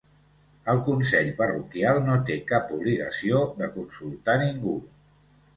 El consell parroquial no té cap obligació de consultar ningú.